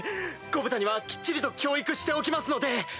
ゴブタにはきっちりと教育しておきますので。